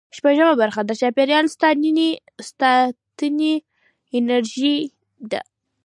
شپږمه برخه د چاپیریال ساتنې انجنیری ده.